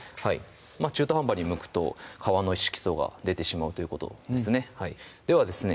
中途半端にむくと皮の色素が出てしまうということですねではですね